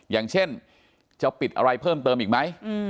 อย่างเช่นจะปิดอะไรเพิ่มเติมอีกไหม